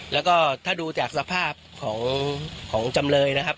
แล้วก็ถ้าดูจากสภาพของจำเลยนะครับ